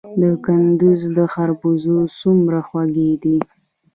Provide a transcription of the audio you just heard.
د کندز خربوزې څومره خوږې دي؟